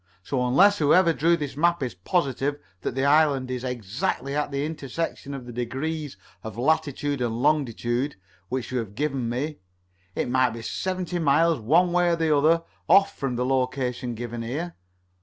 So unless whoever drew this map is positive that the island is exactly at the intersection of the degrees of latitude and longitude which you have given me, it might be seventy miles one way or the other off from the location given here.